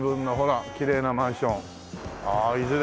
ああいずれ